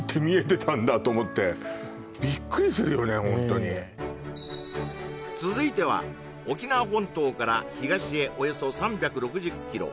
ホントに続いては沖縄本島から東へおよそ３６０キロ